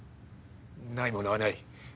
ないものはない。